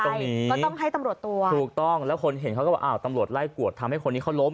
ก็ต้องให้ตำรวจตัวถูกต้องแล้วคนเห็นเขาก็บอกอ้าวตำรวจไล่กวดทำให้คนนี้เขาล้ม